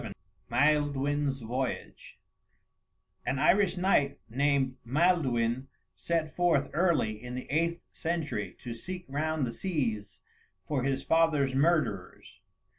XI MAELDUIN'S VOYAGE An Irish knight named Maelduin set forth early in the eighth century to seek round the seas for his father's murderers.